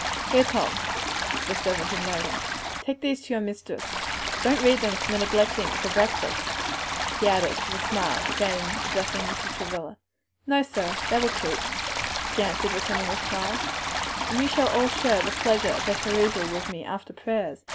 "Here, Tom," to the servant in waiting, "take these to your mistress. Don't read them to the neglecting of your breakfast," he added with a smile, again addressing Mrs. Travilla. "No, sir; they will keep," she answered, returning the smile; "and you shall all share the pleasure of their perusal with me after prayers.